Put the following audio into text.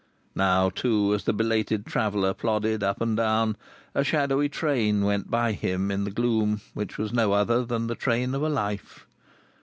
Now, too, as the belated traveller plodded up and down, a shadowy train went by him in the gloom which was no other than the train of a life.